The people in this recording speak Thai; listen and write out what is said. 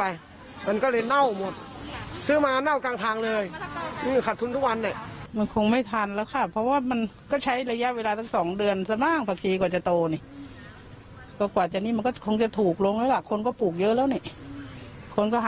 ปลูกเยอะแล้วเนี่ยคนสหารมาปลูกกัน